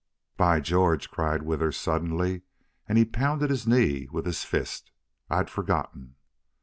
"By George!" cried Withers, suddenly, and he pounded his knee with his fist. "I'd forgotten."